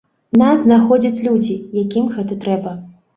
Нас знаходзяць людзі, якім гэта трэба.